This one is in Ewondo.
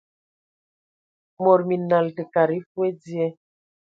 Mod minal, tə kad e foe dzie.